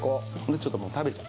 ちょっともう食べちゃう。